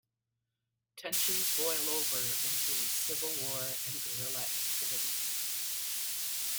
Tensions boil over into a civil war and guerrilla activity.